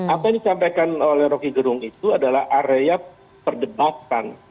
apa yang disampaikan oleh rocky gerung itu adalah area perdebatan